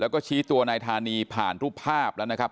แล้วก็ชี้ตัวนายธานีผ่านรูปภาพแล้วนะครับ